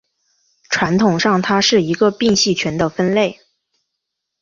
传统上它是一个并系群的分类。